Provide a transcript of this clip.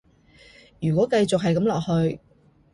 如果繼續係噉落去